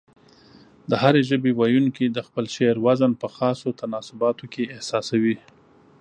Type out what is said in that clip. د هرې ژبې ويونکي د خپل شعر وزن په خاصو تناسباتو کې احساسوي.